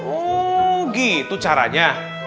oh gitu caranya